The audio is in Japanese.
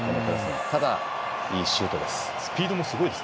ただ、いいシュートです。